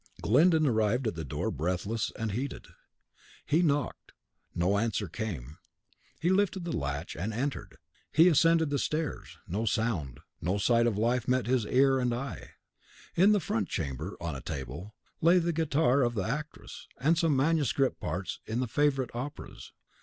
Glyndon arrived at the door breathless and heated. He knocked; no answer came. He lifted the latch and entered. He ascended the stairs; no sound, no sight of life met his ear and eye. In the front chamber, on a table, lay the guitar of the actress, and some manuscript parts in the favourite operas.